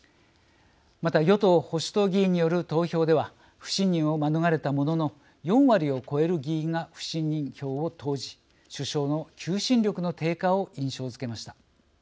また与党・保守党議員による投票では不信任を免れたものの４割を超える議員が不信任票を投じ首相の求心力の低下を印象づけました。